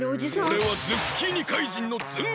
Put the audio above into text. おれはズッキーニ怪人のええっ！？